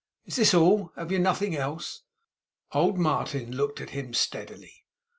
Is this all? Have you nothing else?' Old Martin looked at him steadily.